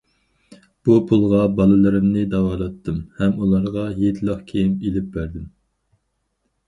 بۇ پۇلغا بالىلىرىمنى داۋالاتتىم ھەم ئۇلارغا ھېيتلىق كىيىم ئېلىپ بەردىم.